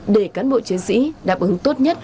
để cán bộ chiến sĩ đáp ứng tốt nhất